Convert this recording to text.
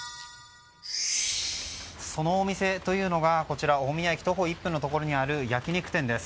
そのお店というのが大宮駅徒歩１分のところにある焼き肉店です。